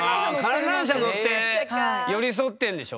観覧車乗って寄り添ってんでしょ？